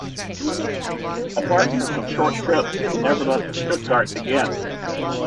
Apart from some short trips he never left Stuttgart again.